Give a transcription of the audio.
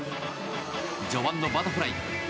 序盤のバタフライ。